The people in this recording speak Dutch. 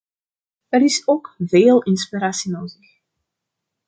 Er is ook veel inspiratie nodig.